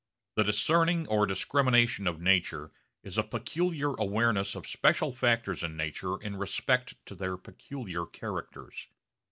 The discerning or discrimination of nature is a peculiar awareness of special factors in nature in respect to their peculiar characters.